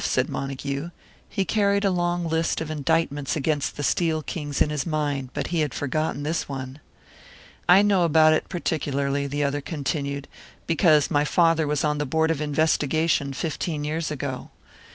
said Montague. He carried a long list of indictments against the steel kings in his mind; but he had forgotten this one. "I know about it particularly," the other continued, "because my father was on the board of investigation fifteen years ago.